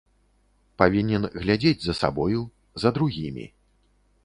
Павінен глядзець за сабою, за другімі.